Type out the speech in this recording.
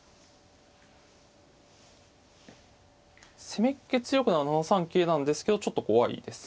攻めっ気強くなら７三桂なんですけどちょっと怖いです。